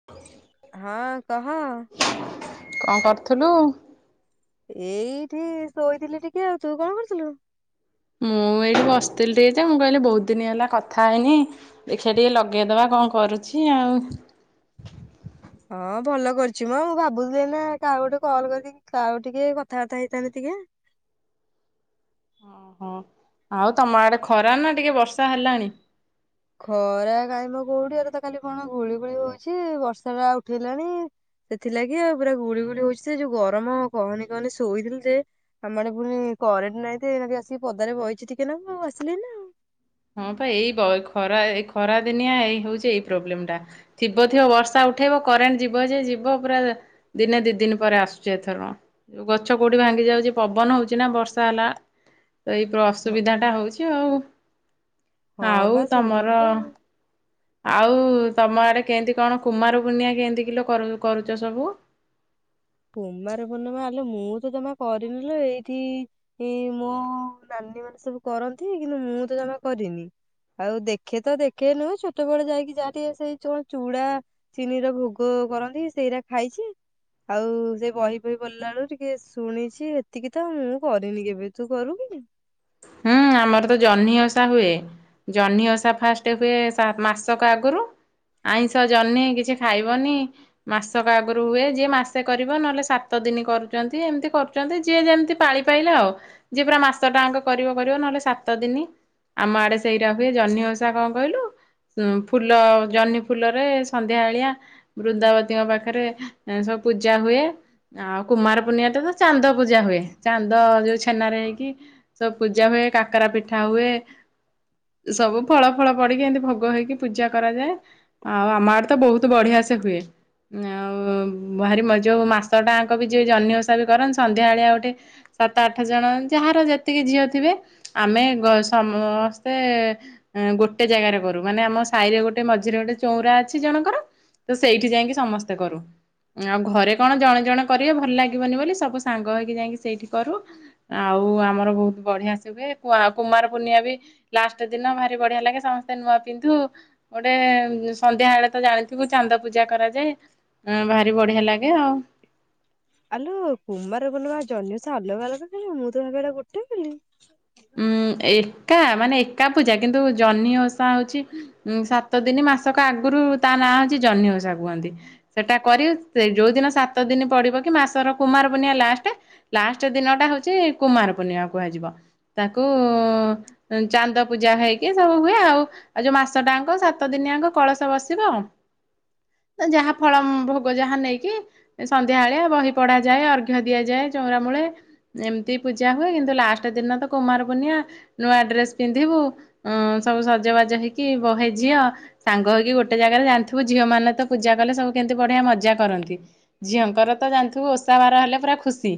[inaudible] ହଁ, କହ। କଁ କରଥିଲୁ? ଏଇଠି ଶୋଇଥିଲି ଟିକେ ଆଉ, ତୁ କଁ କରୁଥିଲୁ? ମୁଁ ଏଇଠି ବସିଥିଲି ଟିକେ ଯେ ମୁଁ କହିଲି ବହୁତ ଦିନ ହେଲା କଥା ହେଇନି। ଦେଖିଆ ଟିକେ ଲଗେଇଦବା କଣ କରୁଛି ଆଉ। ହଁ ଭଲ କରିଛି ମ, ମୁଁ ଭାବୁଥିଲି ଏଇନେ କାହାକୁ ଗୋଟେ କଲ୍ କରିିକି କାହାକୁ ଟିକେ କଥାବାର୍ତା ହେଇଥାନ୍ତି ଟିକେ। ହଁ, ଆଉ ତମ ଆଡେ ଖରା ନା ଟିକେ ବର୍ଷା ହେଲାଣି? ଖରା କାଇଁମ କୋଉଠି, ଏବେ ତ ଖାଲି କଣ ଗୁଳି ଗୋଳି ହଉଛି ବର୍ଷା ବା ଉଠେଇଲାଣି। ସେଥିଲାଗି ଆଉ ପୁରା ଗୁଳି ଗୁଳି ହଉଛି ସେ ଯୋଉ ଗରମ କହନି କହନି ଶୋଇଥିଲୁ ଯେ ଆମ ଆଡେ ପୁଣି କରେଣ୍ଟ ନାଇଁ ଯେ ଖାଲି ଆସିକି ପଦାରେ ବଇଚି ଟିକେ ନାକୁ ଆସିଲି ଏଇନା। ଆଉ। ହଁ, ପା ଏଇ ଖରା ଏ ଖରା ଦିନିଆ ଏଇ ହଉଛି ଏଇ ପ୍ରୋବ୍ଲେମ ଟା ଥିବ ଥିବ ବର୍ଷା ଉଠେଇବ କରେଣ୍ଟ ଯିବ ଯେ ଯିବ ପୁରା ଦିନେ ଦି ଦିନ ପରେ ଆସୁଛି ଏଥର। ଗଛ କୋଉଠି ଭାଙ୍ଗି ଯାଉଛି ପବନ ହଉଛି ନା ବର୍ଷା ହେଲା ତ ଏଇ ତ ହଁ ଅସୁବିଧାଟା ହଉଛି ଆଉ। ହଁ ଆଉ ବା ସେମିତି ତମର ତ ଆଉ। ଆଉ ତମ ଆଡେ କେଏଁତି କଣ କୁମାରପୁନିଆ କେମିତି କିଲୋ କରୁଚ ସବୁ? କୁମାର ପୂର୍ଣ୍ଣିମା ଆଲୋ ମୁଁ ତ ଜମା କରିନି ଲୋ, ଏଇଠି ଏଇ ମୋ ନାନୀ ମାନେ ସବୁ କରନ୍ତି, କିନ୍ତୁ ମୁଁ ତ ଜମା କରିନି। ଆଉ ଦେଖେ ତ ଦେଖେ ନୁହେଁ ଛୋଟ ବେଳେ ଯାଇକି ଯାହା ଟିକିଏ ସେଇ ଯୋଉ ଚୁଡା ଚିନି ର ଭୋଗ କରନ୍ତି, ସେଇରା ଖାଇଛି। ଆଉ ସେ ବହି ଫଇ ପଢିଲା ବେଳକୁ ଟିକେ ଶୁଣିଛି ଏତିକି ତ ମୁଁ କରିନି କେବେ, ତୁ କରୁ କି? ହୁଁ, ଆମର ତ ଜହ୍ନି ଓଷା ହୁଏ। ଜହ୍ନିଓଷା ଫାଷ୍ଟ ହୁଏ ସା ମାସକ ଆଗରୁ। ଆଇଁଷ, ଜହ୍ନି, କିଛି ଖାଇବନି। ମାସକ ଆଗରୁ ହୁଏ ଯିଏ ମାସେ କରିବ ନହେଲେ ସାତ ଦିନ କରୁଛନ୍ତି ଏମିତି କରୁ ଛନ୍ତି ଯିଏ ଯେମିତି ପାଳି ପାଇଲା ଆଉ। ଯିଏ ପୁରା ମାସଟା ଆଙ୍କ କରିବ କରିବ ନହେଲେ ସାତ ଦିନି ଆମ ଆଡେ ସେଇଟା ହୁଏ, ଜହ୍ନି ଓଷା କଣ କହିଲୁ? ଉ ଫୁଲ, ଜହ୍ନି ଫୁଲରେ ସନ୍ଧ୍ୟାଏଳିଆ ବୃନ୍ଦାବତୀଙ୍କ ପାଖରେ ଅ ସବୁ ପୂଜା ହୁଏ। ଆଉ କୁମାର ପୂର୍ଣ୍ଣିମାଟା ତ ଚାନ୍ଦ ପୂଜା ହୁଏ ଚାନ୍ଦ ଯୋଉ ଛେନାରେ ହେଇକି ସବୁ ପୂଜା ହୁଏ, କାକରା ପିଠା ହୁଏ। ସବୁ ଫଳ ଫଳ ପଡିକି ଏମିତି ଭୋଗ ହେଇକି ପୂଜା କରାଯାଏ। ଅ ଆମ ଆଡ଼େ ତ ବହୁତ ବଢିଆ ସେ ହୁଏ। ଆଉ-ଉ-ଉ-ଉ ଭାରି ମଜ୍ ଯୋଉ ମାସ ଟାଙ୍କ ବି ଯ ଜହ୍ନି ଓଷା ବି କରନ୍ତି ସନ୍ଧ୍ୟାବେଳିଆ ଆଉ ଗୋଟେ ସାତ ଆଠ ଜଣ ଯାହାର ଯେତିକି ଝିଅ ଥିବେ ଆମେ ଗ ସମ୍-ମ୍-ମସ୍ତେ-ଏ-ଏ ଗୋଟେ ଜାଗାରେ କରୁ ମାନେ ଆମ ସାହିରେ ଗୋଟେ ମଝିରେ ଗୋଟେ ଚଉରା ଅଛି ଜଣଙ୍କର। ତ ସେଇଠି ଯାଇକି ସମସ୍ତେ କରୁ। ଆଉ ଘରେ କଣ ଜଣେ ଜଣେ କରିବେ ଭଲ ଲାଗିବନି ବୋଲି ସବୁ ସାଙ୍ଗ ହେଇକି ଯାଇକି ସେଇଠି କରୁ। ଆଉ ଆମର ବହୁତ ବଢିଆ ସେ ହୁଏ କୁଆ କୁମାର ପୂର୍ଣ୍ଣିବା ବି ଲାଷ୍ଟ ଦିନ ଭାରି ବଢିଆ ଲାଗେ ସମସ୍ତେ ନୂଆ ପିନ୍ଧୁ। ଗୋଟେ-ଏ-ଏ-ଏ ସନ୍ଧ୍ୟା ବଳେ ତ ଜାଣିଥିବୁ ଚାନ୍ଦ ପୂଜା କରାଯାଏ। ହଁ ଭାରି ବଢିଆ ଲାଗେ ଆଉ। ଆଲୋ-ଓ-ଓ କୁମାର ପୂର୍ଣ୍ଣିମା ଜହିଁ ଓଷା ଅଲଗା ଅଲଗା କିଲୋ ମୁଁ ତ ଜାଣିବାରେ ଗୋଟେ କାଲି। ଉଁ ଏକା ମାନେ ଏକା ପୂଜା କିନ୍ତୁ ଜହ୍ନି ଓଷା ହଉପଛି ଉଁ ସାତ ଦିନି ମାସକ ଆଗରୁ ତା ନାଁ ଅଉଓଛି ଜହ୍ନି ଉଷା କୁହନ୍ତି। ସେଇଟା କରି ସେ ଯେଉଁଦିନ ସାତ ଦିନ ପଡ଼ିବ କି ମାସର କୁମାରପୁର୍ଣିଆ ଲାଷ୍ଟେ ଲାଷ୍ଟେ ଦିନ ଟା ହଉଛି କୁମାର ପୂର୍ଣ୍ଣିମା କୁହାଯିବ ତାକୁ-ଉ-ଉ-ଉ ଚାନ୍ଦ ପୂଜା ହେଇକି ସବୁ ହୁଏ ଆଉ। ଆଉ ଯୋଉ ମାସ ଟା ଆଙ୍କ ସାତ ଦିନିଆଙ୍କ କଳସ ବସିବ। ଯାହା ଫଳ-ଅ-ଅମ୍ ଭୋଗ ଯାହା ନେଇକି ସନ୍ଧ୍ୟାଏଳିଆ ବହି ପଢା ଯାଏ, ଅର୍ଘ ଦିଆଯାଏ ଚଉରା ମୂଳେ। ଏମିତି ପୂଜା ହୁଏ କିନ୍ତୁ ଲାଷ୍ଟ ଦିନ ତ କୁମାର ପୁନିଆ ନୂଆ ଡ୍ରେସ ପିନ୍ଧିବୁ। ଅ-ଅ ସବୁ ସଜବାଜ ହେଇକି ବହେ ଝିଅ ସାଙ୍ଗ ହେଇକି ଗୋଟେ ଜାଗାରେ ଜାଣିଥିବୁ ଝିଅ ମାନେ ତ ପୂଜା କଲେ ସବୁ କେମିତି ବଢିଆ ମଜା କରନ୍ତି। ଝିଅଙ୍କର ତ ଜାଣିଥିବୁ ଓଷା ବାର ହେଲେ ପୁରା ଖୁସି।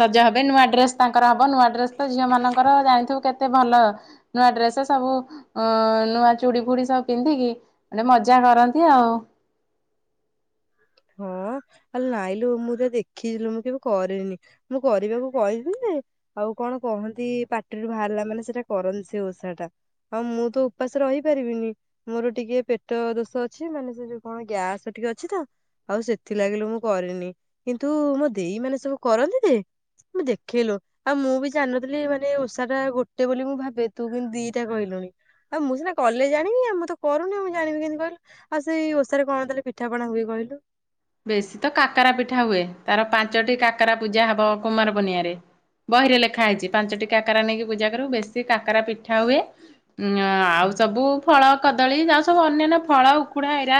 ସଜ ହେବେ ନୂଆ ଡ୍ରେସ ତାଙ୍କର ହବ, ନୂଆ ଡ୍ରେସ ତ ଝିଅ ମାନଙ୍କର ଜାଣିଥିବୁ କେତେ ଭଲ। ନୂଆ ଡ୍ରେସ ସବୁ ଅ-ଅ-ଅ ନୂଆ ଚୁଡି ଫୁଡି ସବୁ ପିନ୍ଧିକି ଏ ମଜା କରନ୍ତି ଆଉ। ହଁ-ଅ-ଅ ଆ ନାଇଲୁ ମୁଁ ତା ଦେଖିଲୁ ମୁଁ କେବେ କରେନି। ମୁଁ କରିବାକୁ କହିଥିଲି ଯେ ଆଉ କଣ କହନ୍ତି-ଇ-ଇ ପାଟିରୁ ବାହାରିଲା ମାନେ ସେଟା କରନ୍ତି ସେ ଓଷା ଟା ହଁ ମୁଁ ତ ଉପାଷ ରହିପାରିବିନି ମୋର ଟିକେ ପେଟ ଦୋଷ ଅଛି ମାନେ ସେ ଯୋଉ କଣ ଗ୍ୟାସ ଟିକେ ଅଛି ତ ଆଉ ସେଥି ଲାଗି ଲୋ ମୁଁ କରେନି କିନ୍ତୁ-ଉ-ଉ ମୋ ଦେଇ ମାନେ ସବୁ କରନ୍ତି ଯେ ମୁଁ ଦେଖେ ଲୋ। ଆଉ ମୁଁ ବି ଜାଣନଥିଲି ମାନେ ଓଷା ଟା ଗୋଟେ ବୋଲି ମୁଁ ଭାବେ ତୁ କିନ୍ତୁ ଦିଟା କହିଲୁଣି। ଆଉ ମୁଁ ସିନା କଲେ ଜାଣିବି। ଆଉ ମୁଁ ତ କରୁନି ମୁଁ ଜାଣିବି କେମିତି କହିଲୁ? ଆଉ ସେଇ ଓଷାରେ କଣ ତାହେଲେ ପିଠାପଣା ହୁଏ କହିଲୁ? ବେଶୀ ତ କାକରା ପିଠା ହୁଏ। ତାର ପାଞ୍ଚଟି କାକରା ପୂଜା ହବ କୁମାର ପୂର୍ଣ୍ଣିମାରେ। ବହିରେ ଲେଖା ହେଇଛି ପାଞ୍ଚଟି କାକରା ନେଇକି ପୂଜା କରିବୁ, ବେଶୀ କାକରା ପିଠା ହୁଏ। ଉଁ ଆଉ ସବୁ ଫଳ, କଦଳୀ ଯା ସବୁ ଅନ୍ୟାନ୍ୟ ଫଳ ଉକୁଡା ଏରା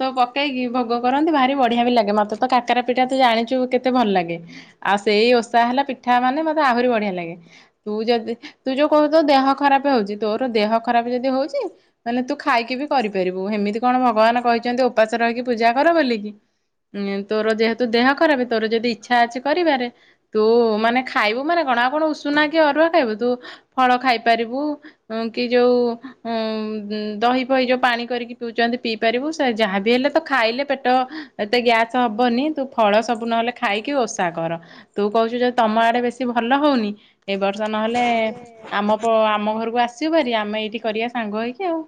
ସବୁ ପକେଇକି ଭୋଗ କରନ୍ତି। ଭାରି ବଢିଆ ବି ଲାଗେ। ମତେ ତ କାକାର ପିଠା ତୁ ଜାଣିଛୁ କେତେ ଭଲ ଲାଗେ, ଆଉ ସେଇ ଓଷା ହେଲା ପିଠା ମାନେ ମୋତେ ଆହୁରି ବଢ଼ିଆ ଲାଗେ। ତୁ ଯଦି ତୁ ଯୋଉ କହୁ ତ ଦେହ ଖରାପ ହଉଛି, ତୋର ଦେହ ଖରାପ ଯଦି ହଉଛି ତାହେଲେ ତୁ ଖାଇକି ବି କରିପାରିବୁ। ହେମିତି କଣ ଭଗବାନ କହିଛନ୍ତି ଉପାସ ରହିକି ପୂଜା କର ବୋଲିକି। ଉଁ ତୋର ଯେହେତୁ ଦେହ ଖରାପ, ତୋର ଯଦି ଇଚ୍ଛା ଅଛି କରିବାରେ ତୁ ମାନେ ଖାଇବୁ ମାନେ କଣ ଆଉ କଣ ଉଷୁନା କି ଅରୁଆ ଖାଇବୁ ତୁ ଫଳ ଖାଇପାରିବୁ। କି ଯୋଉ ଦହି ଫହି ଯୋଉ ପାଣି କରିକି ପିଉଛନ୍ତି ପିଇ ପାରିବୁ। ଯାହାବି ହେଲେ ତ ଖାଇଲେ ପେଟ ଏତେ ଗ୍ୟାସ ହବନି। ତୁ ଫଳ ସବୁ ନହେଲେ ଖାଇକି ଓଷା କର। ତୁ କହୁଛୁ ଯଦି ତମ ଆଡେ ବେଶୀ ଭଲ ହଉନି। ଏ ବର୍ଷ ନହେଲେ ଆମ ଆମ ଘରକୁ ଆସିବ ଭାରି, ଆମେ ଏଇଠି କରିବା ସାଙ୍ଗ ହୋଇଇକି ଆଉ।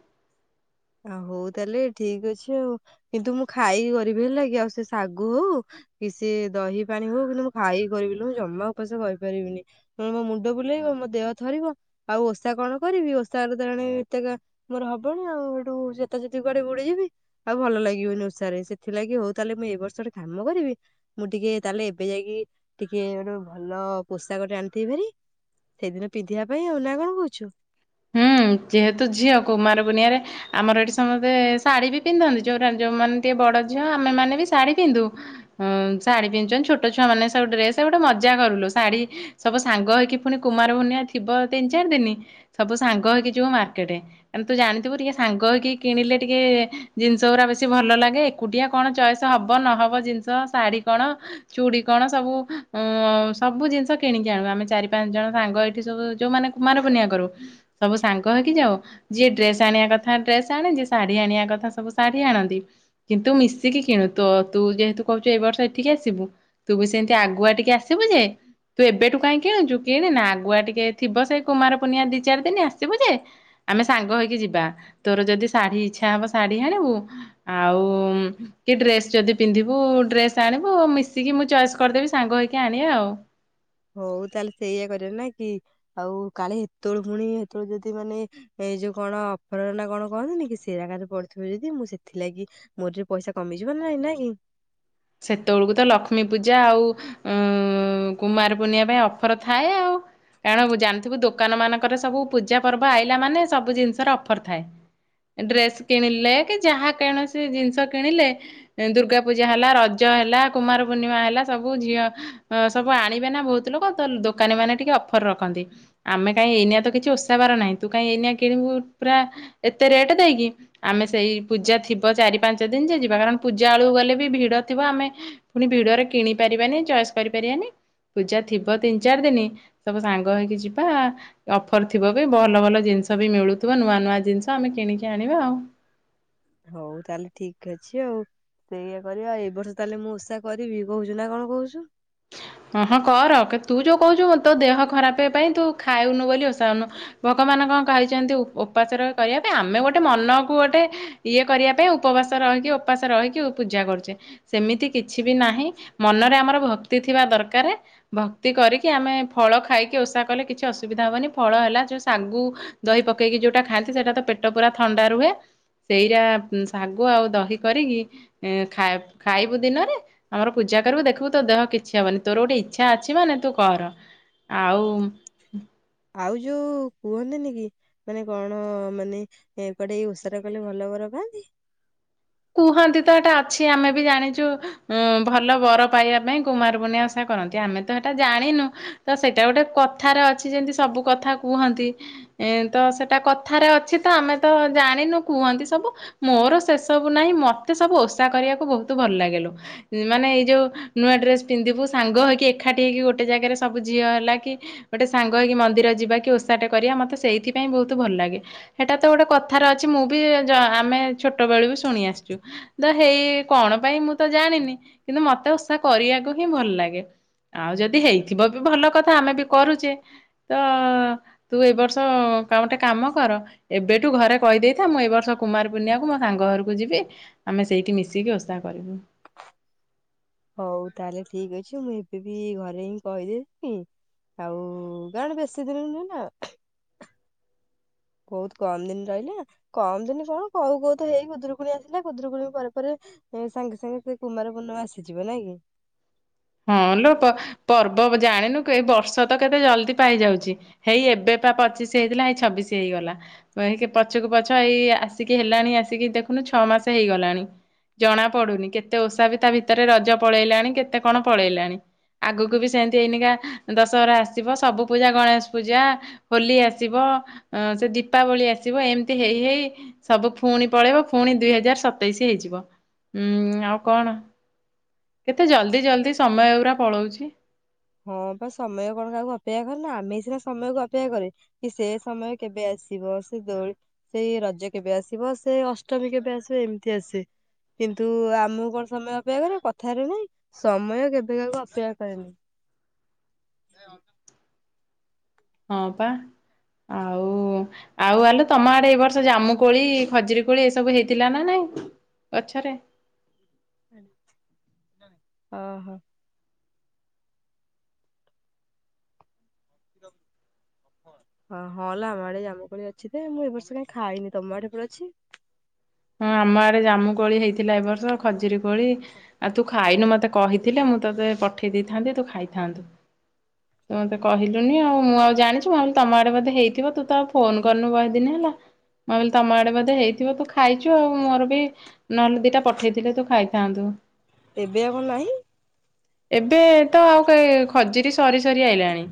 ଆ ହଉ ତାହେଲେ ଠିକ ଅଛି ଆଉ। କିନ୍ତୁ ମୁଁ ଖାଇକି କରିବି ହେଲା କି ଆଉ ସେ ଶାଗୁ ହଉ କି ସେ ଦହି ପାଣି ହଉ, କିନ୍ତୁ ମୁଁ ଖାଇକି କରିବି ଲୋ ମୁଁ ଜମା ଉପାସ କରି ପାରିବିନି। ମୋ ମୁଣ୍ଡ ବୁଲେଇବ, ମୋ ଦେହ ଥରିବ। ଆଉ ଓଷା କଣ କରିବି, ଓଷା ହେଲେ ତ ଏଣେ ଏତେକା ମୋର ହବଣି ଆଉ। [unintelligible] ଆଉ ଭଲ ଲାଗିବନି ଓଷାରେ। ସେଥିଲାଗି ହଉ ତାହେଲେ ମୁଁ ଏଇ ବର୍ଷ ଗୋଟେ କାମ କରିବି ମୁଁ ଟିକେ ତାହେଲେ ଏବେ ଯାଇକି ଟିକେ ଗୋଟେ ଭଲ ପୋଷକ ଟେ ଆଣିଥିବି ଭାରି। ସେଇଦିନ ପିନ୍ଧିବା ପାଇଁ ଆଉ ନା କଣ କହୁଛୁ? ହୁଁ, ଯେହେତୁ ଝିଅ କୁମାର ପୂର୍ଣିମା ରେ ଆମର ଏଠି ସମସ୍ତେ ଶାଢୀ ବି ପିନ୍ଧନ୍ତି। ଯୋଉ ଯୋଉମାନେ ଟିକେ ବଡ ଝିଅ ଆମେମାନେ ବି ଶାଢୀ ପିନ୍ଧୁ। ହଁ ଶାଢୀ ପିନ୍ଧୁଛନ୍ତି। ଛୋଟ ଛୁଆ ମେ ସବୁ ଡ୍ରେସ୍ ଗୋଟେ ମଜା କରୁ ଲୋ। ଶାଢ଼ୀ ସବୁ ସାଙ୍ଗ ହେଇକି ପୁଣି କୁମାର ପୁର୍ଣିମା ଥିବ ତିନି, ଚାରି ଦିନ, ସବୁ ସାଙ୍ଗ ହେଇକି ଯିବୁ ମାର୍କେଟ୍। ତୁ ଜାଣିଥିବୁ ଟିକେ ସାଙ୍ଗ ହେଇକି କିଣିଲେ ଟିକେ, ଜିନିଷ ଗୁରାକ ବେଶୀ ଭଲ ଲାଗେ। ଏକୁଟିଆ କଣ ଚଏସ୍ ହେବ ନହେବ ଜିନିଷ ଶାଢ଼ୀ କଣ ଚୁଡ଼ି କଣ ସବୁ ଉ ସବୁ ଜିନିଷ କିଣିକି ଆଣୁ। ଆମେ ଚାରି ପାଞ୍ଚ ଜଣ ସାଙ୍ଗ ଏଇଠି ସବୁ ଯୋଉମାନେ କୁମାର ପୂର୍ଣ୍ଣିମା କରୁ, ସବୁ ସାଙ୍ଗ ହେଇକି ଯାଉ। ଯିଏ ଡ୍ରେସ ଆଣିବା କଥା ଡ୍ରେସ୍ ଆଣେ, ଯେ ଶାଢୀ ଆଣିବା କଥା ସବୁ ଶାଢୀ ଆଣନ୍ତି। କିନ୍ତୁ ମିଶିକି କିଣୁ। ତ ତୁ ଯେହେତୁ କହୁଛୁ ଏଇ ବର୍ଷ ଏଠିକି ଆସିବୁ ତୁ ବି ସେମତି ଆଗୁଆ ଟିକେ ଆସିବୁ ଯେ ତୁ ଏବେଠୁ କାଇଁ କିଣୁଛୁ କିଣି ନା। ଆଗୁଆ ଟିକେ ଥିବ ସେଇ କୁମାର ପୂର୍ଣ୍ଣିମା ଦି ଚାରି ଦିନ ଆସିବୁ ଯେ ଆମେ ସାଙ୍ଗ ହେଇକି ଯିବା। ତୋର ଯଦି ଶାଢୀ ଇଚ୍ଛା ହବ ଶାଢୀ ଆଣିବୁ। ଆଉ କି ଡ୍ରେସ ଯଦି ପିନ୍ଧିବୁ ଡ୍ରେସ ଆଣିବୁ ଆଉ ମିଶିକି ମୁଁ ଚଏସ୍ କରିଦେବି ସାଙ୍ଗ ହେଇକି ଆଣିବା ଆଉ। ହଉ ତାହେଲେ ସେଇଇଆ କରିବି ନା କି, ଆଉ କାଳେ ଏତେବେଳେ ପୁଣି ହେତେବେଳେୁ ଯଦି ମାନେ ଏଇ ଯୋଉ କଣ ଅପରାହନା କଣ କହନ୍ତିନି କି, ସେଇ ଜାଗାରେ ପଡିଥିବ ଯଦି, ମୁଁ ସେଥିଲାଗି ମୋର ଯୋଉ ପଇସା କମିଯିବ ନା ନାଇଁ କି? ସେତେବେଳକୁ ତ ଲକ୍ଷ୍ମୀ ପୂଜା ଆଉ ଉଁ କୁମାର ପୁର୍ଣିମା ପାଇଁ ଅଫର ଥାଏ ଆଉ। କାରଣ ବ ଜାଣିଥିବୁ, ଦୋକାନ ମାନଙ୍କର ସବୁ ପୂଜା ପର୍ବ ଆଇଲା ମାନେ ସବୁ ଜିନିଷର ଅଫର ଥାଏ। ଡ୍ରେସ୍ କିଣିଲେ କି ଯାହା କୌଣସି ଜିନିଷ କିଣିଲେ, ଦୁର୍ଗା ପୂଜା ହେଲା ର ଜ ହେଲା କୁମାର ପୂର୍ଣ୍ଣିମା, ହେଲା ସବୁ ଝିଅ ଅ ସବୁ ଆଣିବେ ନା ବହୁତ ଲୋକ, ତ ଦୋକାନୀ ମାନେ ଟିକେ ଅଫର ରଖନ୍ତି। ଆମେ କାଇଁ ଏଇନା ତ କିଛି ଓସାବାର ନାହିଁ, ତୁ କାଇଁ ଏଇନା କିଣିବୁ ପୁରା ଏତେ ରେଟେ ଦେଇକି। ଆମେ ସେଇ ପୂଜା ଥିବ ଚାରି ପାଞ୍ଚ ଦିନି ଯେ ଯିବା, କାରଣ ପୂଜା ବେଳକୁ ଗଲେ ବି ଭିଡ ଥିବ, ଆମେ ପୁଣି ଭିଡରେ କିଣି ପାରିବାନି ଚଏସ୍ କରିପାରିବାନି। ପୂଜା ଥିବ ତିନି ଚାରି ଦିନି, ସବୁ ସାଙ୍ଗ ହେଇକି ଯିବା। ଅଫର ଥିବ ବି, ଭଲ ଭଲ ଜିନିଷ ବି ମିଳୁଥିବ, ନୂଆ ନୂଆ ଜିନିଷ ଆମେ କିଣିକି ଆଣିବା ଆଉ। ହଉ ତାହେଲେ ଠିକ ଅଛି ଆଉ। ସେଇଆ କରିବା ଆଉ, ଏ ବର୍ଷ ତାହେଲେ ମୁଁ ଓଷା କରିବି କହୁଛୁ ନା କଣ କହୁଛୁ? ହଁ ହଁ କର, କ ତୁ ଯୋଉ କହୁଛୁ ତୋ ଦେହ ଖରାପେ ପାଇଁ ତୁ ଖାଉନୁ ବୋଲି ଓଷା କରୁନୁ ଭଗବାନ କଣ କହିଛନ୍ତି ଉ ଉପାସେ ରହି କରିବା ପାଇଁ, ଆମେ ଗୋଟେ ମନକୁ ଗୋଟେ ଇଏ କରିବା ପାଇଁ, ଉପବାସ ରହିକି ଉପାସେ ରହିକି ଉ ପୂଜା କରୁଛେ ସେମିତି କିଛି ବି ନାହିଁ, ମନରେ ଆମର ଭକ୍ତି ଥିବା ଦରକାରେ। ଭକ୍ତି କରିକି, ଆମେ ଫଳ ଖାଇକି ଓଷା କଲେ କିଛି ଅସୁବିଧା ହବନି। ଫଳ ହେଲା ଯୋଉ ଶାଗୁ ଦହି ପକେଇକି ଯୋଉଟା ଖାଆନ୍ତି, ସେଇଟା ତ ପେଟ ପୁରା ଥଣ୍ଡା ରୁହେ। ସେଇରା ଉଁ ସାଗୁ ଆଉ ଦହି କରିକି ଏ ଖା ଖାଇବୁ ଦିନରେ, ଆମର ପୂଜା କରିବୁ। ଦେଖିବୁ ତୋ ଦେହ କି କିଛି ହବନି ତୋର ଗୋଟେ ଇଚ୍ଛା ଅଛି ମାନେ, ତୁ କର ଆଉ ଆଉ ଯୋଉ କୁହନ୍ତିନି କି ମାନେ କଣ ମାନେ କୁଆଡେ ଏ ଓଷା ଟା କଲେ ଭଲ ବର ପାଆନ୍ତି? କୁହନ୍ତି ତ ଏଟା ଅଛି ଆମେ ବି ଜାଣିଛୁ ଉଁ ଭଲ ବର ପାଇବା ପାଇଁ କୁମାର ପୁର୍ଣିମା ଓସା କରନ୍ତି ଆମେ ତ ସେଟା ଜାଣିନୁ ତ ସେଇଟା ଗୋଟେ କଥାରେ ଅଛି ଯେମିତି ସବୁ କଥା କୁହନ୍ତି। ଏ ତ ସେଟା କଥାରେ ଅଛି ତ ଆମେ ତ ଜାଣିନୁ କୁହନ୍ତି ସବୁ ମୋର ଶେଷ ସବୁ ନାହିଁ ମତେ ସବୁ ଓଷା କରିବାକୁ ବହୁତ ଭଲ ଲାଗେଲୋ ମାନେ ଏଇ ଯୋଉ ନୂଆ ଡ୍ରେସ ପିନ୍ଧିବୁ ସାଙ୍ଗ ହେଇକି ଏକାଠି ହେଇକି ଗୋଟେ ଜାଗାରେ ସବୁ ଝିଅ ହେଲା କି ଗୋଟେ ସାଙ୍ଗ ହେଇକି ମନ୍ଦିର ଯିବା କି ଓଷାଟେ କରିବା ମତେ ସେଇଥିପାଇଁ ବହୁତ ଭଲ ଲାଗେ। ହେଟା ତ ଗୋଟେ କଥାର ଅଛି ମୁଁ ବି ଯା ଆ ଆମେ ଛୋଟବେଳୁ ବି ଶୁଣି ଆସିଛୁ। ଦ ହେଇ କଣ ପାଇଁ ମୁଁ ତ ଜାଣିନି କିନ୍ତୁ ମତେ ଓଷା କରିବାକୁ ହିଁ ଭଲ ଲାଗେ। ଆଉ ଯଦି ହେଇଥିବ ବି ଭଲ କଥା ଆମେ ବି କରୁଛେ ତ ତୁ ଏଇ ବର୍ଷ କଣ ଗୋଟେ କାମ କର ଏବେଠୁ ଘରେ କହିଦେଇଥା ମୁଁ ଏ ବର୍ଷ କୁମାର ପୁର୍ଣିମା କୁ ମୋ ସାଙ୍ଗ ଘର କୁ ଯିବି ଆମେ ସେଇଠି ମିଶିକି ଓଷା କରିବୁ। ହଉ ତାହେଲେ ଠିକ ଅଛି ମୁଁ ଏବେ ବି ଘରେ ହିଁ କହିଦଉଚି। ଆଉ କଣ ବେଶୀ ଦୂର ନୁହେଁ ନା? ବହୁତ କମ ଦିନ ରହିଲା କମ ଦିନ କଣ କୋଉ କୋଉ ତ ହେଇ ଖୁଦୁରୁକୁଣୀ ଆସିଲା ଖୁଦୁରୁକୁଣୀ ପରେ ପରେ ଏ ସାଙ୍ଗେ ସାଙ୍ଗେ ସେ କୁମାରପୂର୍ଣ୍ଣମା ଆସିଯିବ ନାଇଁ କି? ହଁ ଲୋ ପ ପର୍ବ ଜାଣିନୁ କି ଏ ବର୍ଷ ତ କେତେ ଜଲଦି ପାଇଯାଉଛି। ହେଇ ଏବେ ପା ପଚିଶି ହେଇଥିଲା ହେଇ ଛବିଶି ହେଇଗଲା। ଏହିଁକି ପଛୁକୁ ପଛ ଏଇ ଆସିକି ହେଲାଣି ଆସିକି ଦେଖୁନୁ ଛଅ ମାସେ ହେଇଗଲାଣି। ଜଣା ପଡୁନି କେତେ ଓଷା ବି ତା ଭିତରେ ରଜ ପଳେଇଲାଣି କେତେ କଣ ପଳେଇଲାଣି। ଆଗକୁ ବି ସେମତି ଏଇନିକା ଦଶହରା ଆସିବ ସବୁ ପୂଜା ଗଣେଶ ପୂଜା ହୋଲି ଆସିବ ଆଁ ସେ ଦୀପାବଳି ଆସିବ ଏମିତି ହେଇ ହେଇ ସବୁ ପୁଣି ପଳେଇବ ପୁଣି ଦୁଇ ହଜାର ସତେଇଶି ହେଇଯିବ ଉଁ ଆଉ କଣ। କେତେ ଜଲ୍ଦି ଜଲଦି ସମୟ ଉରା ପଳଉଛି। ହଁ ପା ସମୟ କଣ କାହାକୁ ଅପେକ୍ଷା କରେ ନା ଆମେ ସିନା ସମୟ କୁ ଅପେକ୍ଷା କରେ। କି ସେ ସମୟ କେବେ ଆସିବ ସେ ଦୋ ସେଇ ରଜ କେବେ ଆସିବ ସେ ଅଷ୍ଟମୀ କେବେ ଆସିବ ଏମିତି ଆସେ। କିନ୍ତୁ ଆମକୁ କଣ ସମୟ ଅପେକ୍ଷା କରେ, କଥା ରେ ନାଇଁ ସମୟ କେବେ କାହାକୁ ଅପେକ୍ଷା କରେନି। [unintelligible] ହଁ ପା ଆଉ ଆଉ ଆଲୋ ତମ ଆଡେ ଏଇ ବର୍ଷ ଜାମୁ କୋଳି ଖଜିର କୋଳି ଏସବୁ ହେଇଥିଲା ନା ନାଇଁ ଗଛରେ? ଅ ହ। ହା ଲୋ। ହଁ ହଁ ଲ ଆମ ଆଡେ ଜାମୁ କୋଳି ଅଛି ତେ ମୁଁ ଏ ବର୍ଷ କାଇଁ ଖାଇନି, ତମ ଆଡେ ବି ଅଛି? ହଁ ଆମ ଆଡେ ଜାମୁ କୋଳି ହେଇଥିଲା ଏ ବର୍ଷ ଖଜିରୀ କୋଳି ଆଉ ତୁ ଖାଇନୁ ମତେ କହିଥିଲେ ମୁଁ ତତେ ପଠେଇ ଦେଇଥାନ୍ତି ତୁ ଖାଇଥାନ୍ତୁ। ତୁ ମତେ କହିଲୁନି ଆଉ ମୁଁ ଆଉ ଜାଣିଛି ମୁଁ ଭାବିଲି ତମ ଆଡେ ବୋଧେ ହେଇଥିବ ତୁ ତ ଆଉ ଫୋନ କରିନୁ ବହେ ଦିନ ହେଲା। ମୁଁ ଭାବିଲି ତମ ଆଡେ ବଧେ ହେଇଥିବ ତୁ ଖାଇଛୁ ଆଉ ମୋର ବି ନହଲେ ଦିଟା ପଠେଇଥିଲେ ତୁ ଖାଇଥାନ୍ତୁ। ଏବେ ଆଉ କଁ ନାହିଁ? ଏବେ ତ ଆଉ କାଇଁ ଖଜିରୀ ସରି ସରି ଆଇଲାଣି।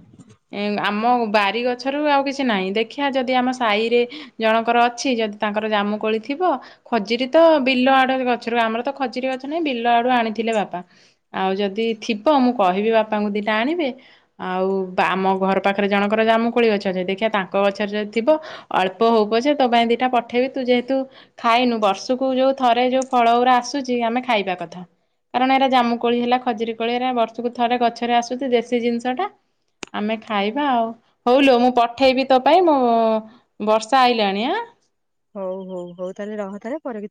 ଆମ ବାରି ଗଛରୁ ଆଉ କିଛି ନାଇଁ ଦେଖିଆ ଯଦି ଆମ ସାଇରେ ଜଣଙ୍କର ଅଛି ଯଦି ତାଙ୍କର ଜାମୁକୋଳି ଥିବ ଖଜିରୀ ତ ବିଲ ଆଡ ଗଛରୁ ଆମର ତ ଖଜିର ଗଛ ନାହିଁ ବିଲ ଆଡୁ ଆଣିଥିଲେ ବାପା। ଆଉ ଯଦି ଥିବ ମୁଁ କହିବି ବାପାଙ୍କୁ ଦିଟା ଆଣିବେ। ଆଉ ବା ଆମ ଘର ପାଖରେ ଜଣଙ୍କର ଜାମୁକୋଳି ଗଛ ଅଛି ଦେଖିଆ ତାଙ୍କ ଗଛରେ ଯଦି ଥିବ ଅଳ୍ପ ହଉ ପଛେ ତୋ ପାଇଁ ଦିଟା ପଠେଇବି ତୁ ଯେହେତୁ ଖାଇନୁ ବର୍ଷକୁ ଯୋଉ ଥରେ ଯୋଉ ଫଳ ଉରା ଆସୁଛି ଆମେ ଖାଇବା କଥା। କାରଣ ଏରା ଜାମୁକୋଳି ହେଲା ଖଜିରୀ କୋଳି ଏରା ବର୍ଷକୁ ଥରେ ଗଛରେ ଆସୁଛି ଦେଶୀ ଜିନିଷଟା। ଆମେ ଖାଇବା ଆଉ, ହଉଲୋ ମୁଁ ପଠେଇବି ତୋ ପାଇଁ ମୁଁ ବର୍ଷା ଆଇଲାଣି ଆଁ। ହଉ ହଉ ହଉ ତାଲେ ରହ ତାଲେ ପରେ କି